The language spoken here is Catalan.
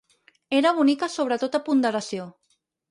Era bonica sobre tota ponderació.